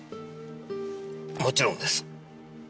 もちろんです。